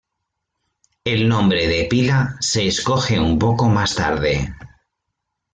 El nombre de pila se escoge un poco más tarde.